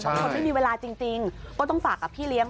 คนไม่มีเวลาจริงก็ต้องฝากกับพี่เลี้ยง